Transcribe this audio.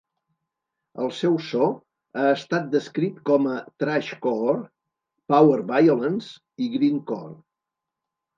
El seu so ha estat descrit com a thrashcore, power violence i grindcore.